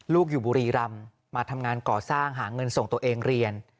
อยู่บุรีรำมาทำงานก่อสร้างหาเงินส่งตัวเองเรียน